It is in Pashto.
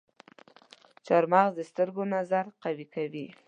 چارمغز د سترګو نظر قوي کوي.